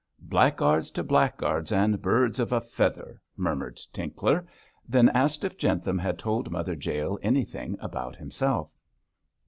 'Blackguards to blackguards, and birds of a feather' murmured Tinkler; then asked if Jentham had told Mother Jael anything about himself.